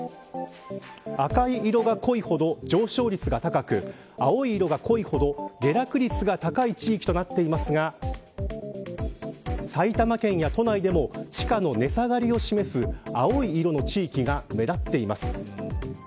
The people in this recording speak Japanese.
赤い色が濃いほど上昇率が高く青い色が濃いほど下落率が高い地域となっていますが埼玉県や都内でも地価の値下がりを示す青い色の地域が目立っています。